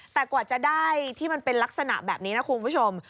แต่กว่าจะได้ที่มันเป็นลักษณะแบบนี้นะคุณผู้ชม